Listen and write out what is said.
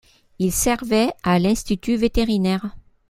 Il servait à l'institut vétérinaire.